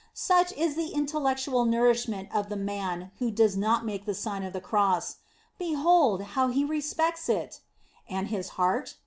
Such is the intellectual nourishment of the man who does not make the Si cm of the O Cross. Behold how he respects it! And his heart?